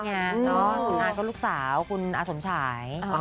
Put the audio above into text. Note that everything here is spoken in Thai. พี่อาร์ดก็ลูกสาวคุณอสมชาย